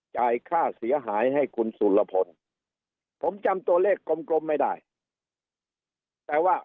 จ่ายค่าเสียหายให้คุณสุรพลผมจำตัวเลขกลมไม่ได้แต่ว่า